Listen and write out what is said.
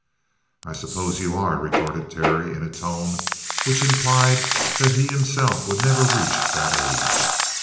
"I suppose you are," retorted Terry, in a tone which implied that he himself would never reach that age.